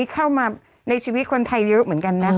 เข้ามาในชีวิตคนไทยเยอะเหมือนกันนะ